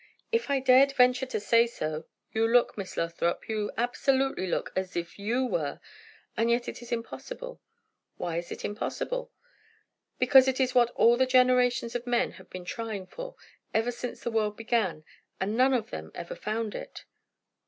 "If I dared venture to say so you look, Miss Lothrop, you absolutely look, as if you were; and yet it is impossible." "Why is it impossible?" "Because it is what all the generations of men have been trying for, ever since the world began; and none of them ever found it."